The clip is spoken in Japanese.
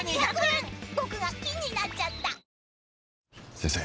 ・先生。